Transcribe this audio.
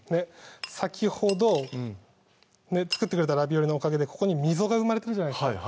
先ほど作ってくれたラビオリのおかげでここに溝が生まれてるじゃないですか